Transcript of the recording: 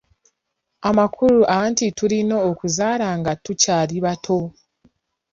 Amakulu anti tulina okuzaala nga tukyali bato.